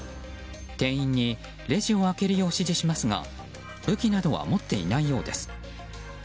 店員にレジを開けるよう指示しますが武器などは持っていないようです。